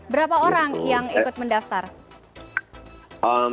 berapa orang yang ikut mendaftar